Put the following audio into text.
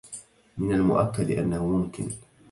من المؤكد أنه ممكن.